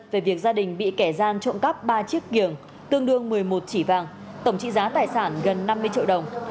về việc gia đình bị kẻ gian trộm cắp ba chiếc kiềng tương đương một mươi một chỉ vàng tổng trị giá tài sản gần năm mươi triệu đồng